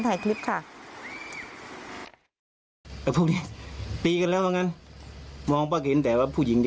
ถ่ายคลิปค่ะพวกนี้ตีกันแล้วงั้นมองป้าเกลียดแต่ว่าผู้หญิง